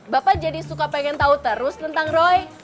bapak jadi suka pengen tahu terus tentang roy